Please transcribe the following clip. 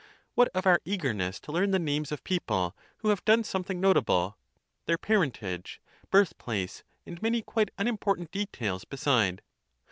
What of our eagerness to learn tbe names of people who have done something notable, their parentage, birth place, and many quite unimportant details beside?